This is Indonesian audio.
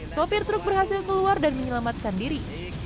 sopir truk berhasil keluar dan menyelamatkan diri